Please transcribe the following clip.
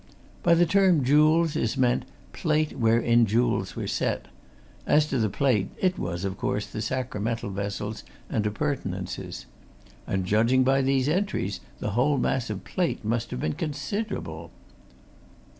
By the term jewels is meant plate wherein jewels were set; as to the plate it was, of course, the sacramental vessels and appurtenances. And judging by these entries the whole mass of plate must have been considerable!"